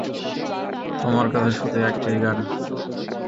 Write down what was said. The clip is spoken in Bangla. তোমার কাছে শুধু এক ট্রিগার না।